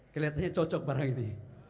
kelihatannya cocok barang ini